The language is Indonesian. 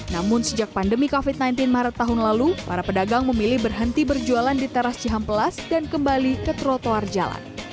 namun sejak pandemi covid sembilan belas maret tahun lalu para pedagang memilih berhenti berjualan di teras cihampelas dan kembali ke trotoar jalan